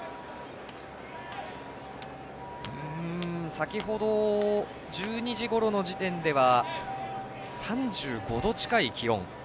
先ほど１２時ごろの時点では３５度近い気温。